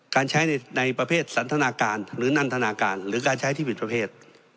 การใช้ในประเภทสันทนาการหรือนันทนาการหรือการใช้ที่ผิดประเภท